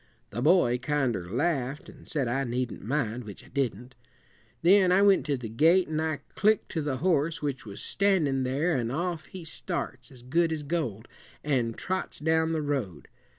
The boy kinder laughed, and said I needn't mind, which I didn't. Then I went to the gate, and I clicked to the horse which was standin' there, an' off he starts, as good as gold, an' trots down the road.